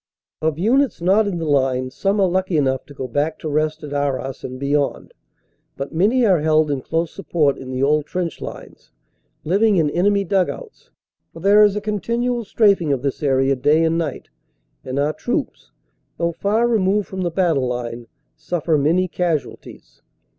Of units not in the line, some are lucky enough to go back to rest at Arras and beyond. But many are held in close sup port in the old trench lines, living in enemy dug outs. For there is a continual straafing of this area day and night, and our troops, though far removed from the battle line, suffer many casualties.